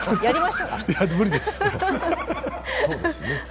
無理です！